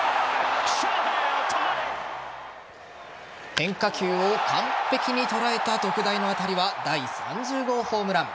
変化球を完璧に捉えた特大の当たりは第３０号ホームラン。